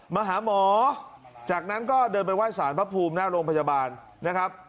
มาหาหมอจากนั้นก็เดินไปไห้สารพระภูมิหน้าโรงพยาบาลนะครับ